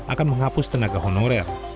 akan menghapus tenaga honorer